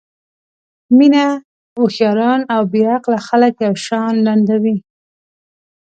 مینه هوښیاران او بې عقله خلک یو شان ړندوي.